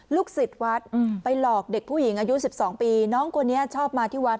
ลูกศิษย์วัดไปหลอกเด็กผู้หญิงอายุ๑๒ปีน้องคนนี้ชอบมาที่วัด